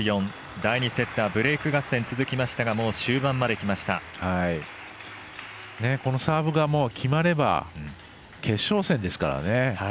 第２セットはブレーク合戦続きましたがこのサーブが決まれば決勝戦ですからね。